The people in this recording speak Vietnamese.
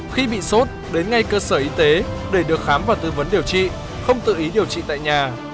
khi bị sốt đến ngay cơ sở y tế để được khám và tư vấn điều trị không tự ý điều trị tại nhà